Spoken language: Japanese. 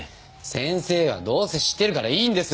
先生はどうせ知ってるからいいんです！